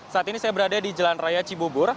saat ini saya berada di jalan raya cibubur